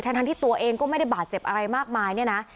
ทั้งที่ตัวเองก็ไม่ได้บาดเจ็บอะไรมากมายเนี่ยนะ